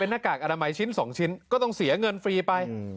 หน้ากากอนามัยชิ้น๒ชิ้นก็ต้องเสียเงินฟรีไป